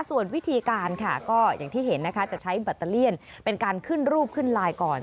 ส่วนวิธีการค่ะก็อย่างที่เห็นนะคะจะใช้แบตเตอเลี่ยนเป็นการขึ้นรูปขึ้นไลน์ก่อน